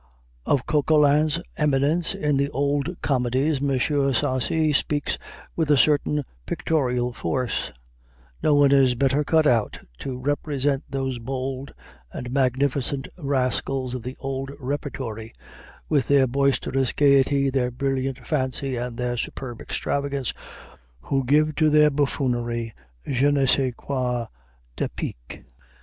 Of Coquelin's eminence in the old comedies M. Sarcey speaks with a certain pictorial force: "No one is better cut out to represent those bold and magnificent rascals of the old repertory, with their boisterous gayety, their brilliant fancy and their superb extravagance, who give to their buffoonery je ne sais quoi d'épique.